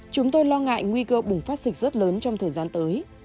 chúng tôi lo ngại nguy cơ bùng phát dịch rất lớn trong thời gian tới